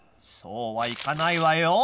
そうはいかないわよ。